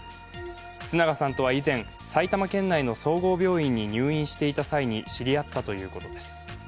須永さんとは以前、埼玉県内の総合病院に入院していた際に知り合ったということです。